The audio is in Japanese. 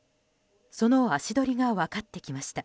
その足取りが分かってきました。